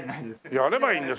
やればいいんだよ。